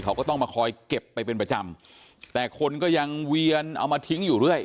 เขาก็ต้องมาคอยเก็บไปเป็นประจำแต่คนก็ยังเวียนเอามาทิ้งอยู่เรื่อย